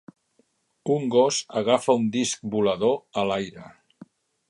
Un gos agafa un disc volador a l'aire.